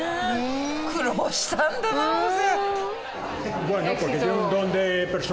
苦労したんだなホセ。